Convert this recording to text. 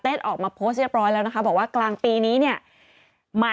ออกมาโพสต์เรียบร้อยแล้วนะคะบอกว่ากลางปีนี้เนี่ยมา